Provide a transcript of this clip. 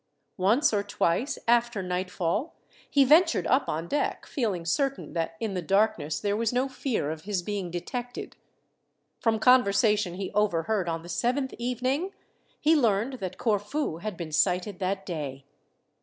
Once or twice, after nightfall, he ventured up on deck, feeling certain that in the darkness there was no fear of his being detected. From conversation he overheard on the seventh evening, he learned that Corfu had been sighted that day.